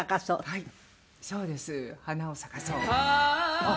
はい。